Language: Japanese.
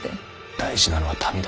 大事なのは民だ。